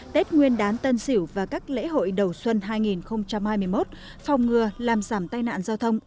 tết nguyên đán tân sỉu và các lễ hội đầu xuân hai nghìn hai mươi một phòng ngừa làm giảm tai nạn giao thông